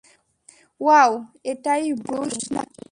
Wow, এটাই Bruce নাকি?